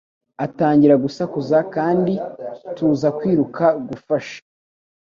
Atangira gusakuza kandi tuza kwiruka gufasha,